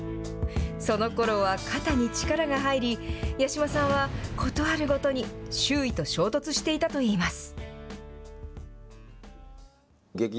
そのころは肩に力が入り、八嶋さんはことあるごとに周囲と衝突していたといいます。